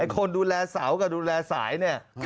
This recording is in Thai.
คนดูแลเสากับดูแลสายเนี่ย